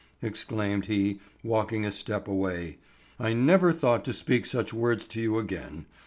exclaimed he, walking a step away. "I never thought to speak such words to you again.